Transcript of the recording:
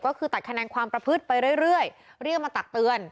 ก็คือตัดคะแนนความประพฤติไปเรื่อยเรียกมาตักเตือน